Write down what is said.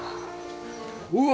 うわ！